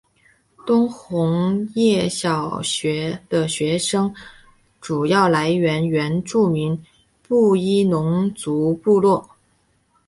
台东红叶国小的学生主要来自原住民布农族红叶部落。